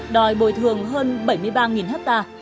đòi bồi thường hơn bảy mươi ba ha